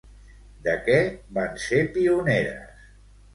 De què van ser pioneres?